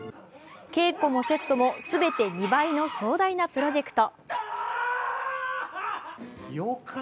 稽古もセットも全て２倍の壮大なプロジェクト。